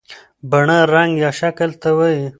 بڼه رنګ یا شکل ته وایي.